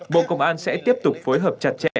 bộ công an sẽ tiếp tục phối hợp chặt chẽ